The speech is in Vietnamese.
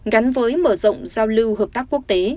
gắn với mở rộng giao lưu hợp tác quốc tế